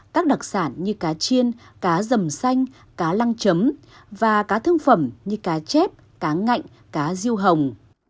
các đặc sản như cá chiên cá dầm xanh cá lăng chấm và cá thương phẩm như cá chép cá ngạnh cá riêu hồng